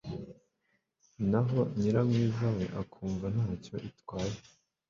naho nyiramwiza we akumva ntacyo itwaye